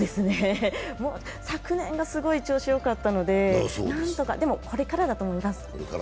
昨年がすごい調子よかったので、なんとかでもこれからだと思います。